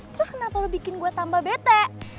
terus kenapa lu bikin gue tambah bete